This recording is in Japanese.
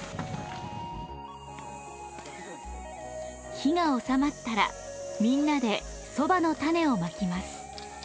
火が収まったらみんなでそばの種をまきます。